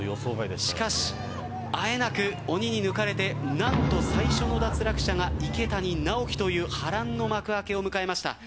しかし、あえなく鬼に抜かれてなんと最初の脱落者が池谷直樹という波乱の幕開けを迎えました。